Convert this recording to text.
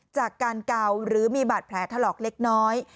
จากการเกาหรือมีบาดแผลถลอกเล็กน้อย